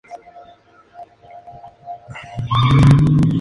Era originario de la provincia de Jiangsu.